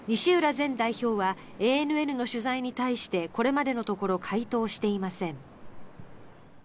前代表はＡＮＮの取材に対してこれまでのところ回答していません。